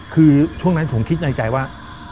คือช่วงนั้นผมคิดในใจว่า